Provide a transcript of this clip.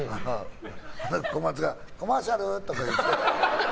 コマツがコマーシャルとか言って。